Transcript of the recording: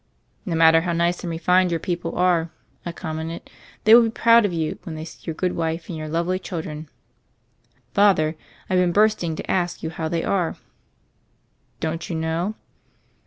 "No matter how nice and refined your peo ple are," I commented, "they will be proud of you when they see your good wife and your lovely children." "Father, I've been bursting to ask you how they are." "Don't you know?"